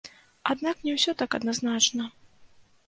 Аднак не ўсё так адназначна.